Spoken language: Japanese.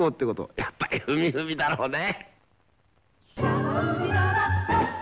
やっぱり「ふみふみ」だろうね。